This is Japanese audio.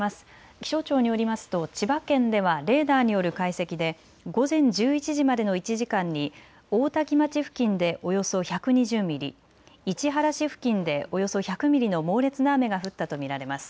気象庁によりますと千葉県ではレーダーによる解析で午前１１時までの１時間に大多喜町付近でおよそ１２０ミリ、市原市付近でおよそ１００ミリの猛烈な雨が降ったと見られます。